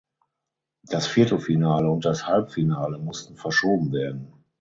Das Viertelfinale und das Halbfinale mussten verschoben werden.